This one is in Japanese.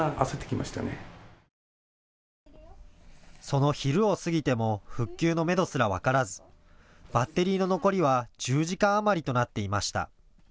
その昼を過ぎても復旧のめどすら分からずバッテリーの残りは１０時間余りとなっていました。